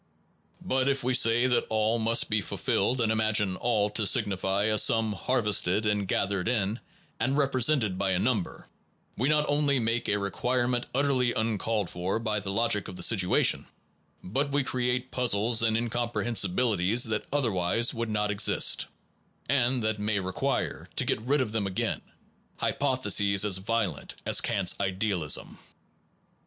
But if we say that all must be fulfilled, and imagine all to signify a sum harvested and gathered in, and represented by a number, we not only make a requirement utterly uncalled for by the logic of the situation, but we create puzzles and incomprehensibilities that otherwise would not exist, and that may require, to get rid of them again, hypotheses as violent as Kant s ideal ism.